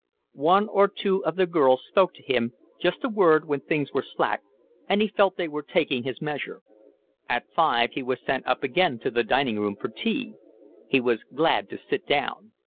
One or two of the girls spoke to him, just a word when things were slack, and he felt they were taking his measure. At five he was sent up again to the dining room for tea. He was glad to sit down.